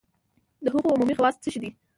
د هغو عمومي خواص څه شی دي؟